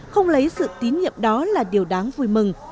không lấy sự tín nhiệm đó là điều đáng vui mừng